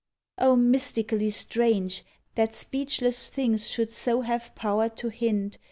.. Oh! mystically strange That speechless things should so have power to hint.